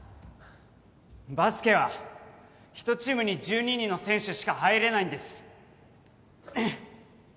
バスケは１チームに１２人の選手しか入れないんです